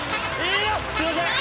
すみません。